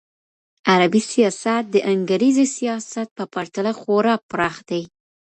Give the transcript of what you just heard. عربي سياست د انګريزي سياست په پرتله خورا پراخ دی.